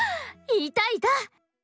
いたいた！